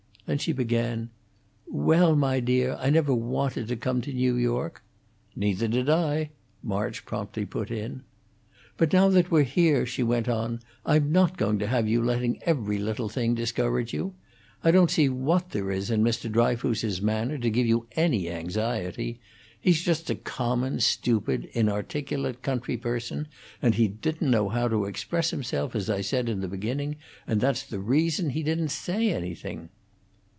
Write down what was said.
Then she began, "Well, my dear, I never wanted to come to New York " "Neither did I," March promptly put in. "But now that we're here," she went on, "I'm not going to have you letting every little thing discourage you. I don't see what there was in Mr. Dryfoos's manner to give you any anxiety. He's just a common, stupid, inarticulate country person, and he didn't know how to express himself, as I said in the beginning, and that's the reason he didn't say anything."